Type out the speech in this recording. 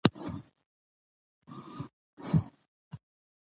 احتمالي ماضي د ناپیژندل سوي حالت له پاره ده.